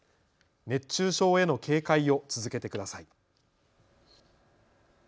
熱中症への警戒を続けてください。